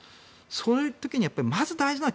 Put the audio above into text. そういう時にまず大事なのは